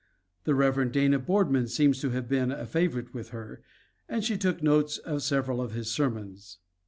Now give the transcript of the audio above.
The Rev. Dana Boardman seems to have been a favorite with her and she took notes of several of his sermons.